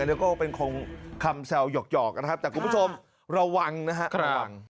อันนี้ก็เป็นคำแซวหยอกนะครับแต่คุณผู้ชมระวังนะฮะ